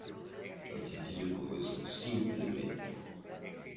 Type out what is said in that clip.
Tan sencillo como eso, simplemente.